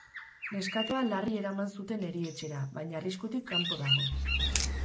Neskatoa larri eraman zuten erietxera, baina arriskutik kanpo dago.